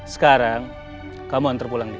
sekarang kamu hantar pulang dia